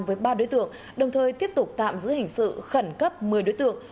với ba đối tượng đồng thời tiếp tục tạm giữ hình sự khẩn cấp một mươi đối tượng